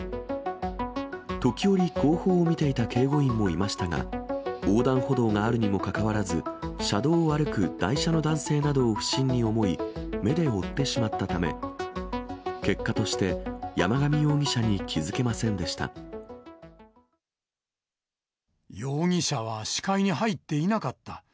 時折、後方を見ていた警護員もいましたが、横断歩道があるにもかかわらず、車道を歩く台車の男性などを不審に思い目で追ってしまったため、結果として、容疑者は視界に入っていなかった。